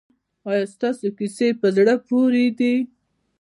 ایا ستاسو کیسې په زړه پورې دي؟